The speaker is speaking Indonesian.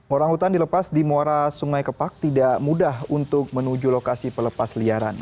orang hutan dilepas di muara sungai kepak tidak mudah untuk menuju lokasi pelepas liaran